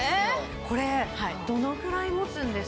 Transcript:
これどのぐらい持つんですか？